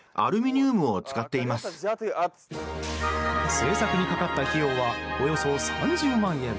製作にかかった費用はおよそ３０万円。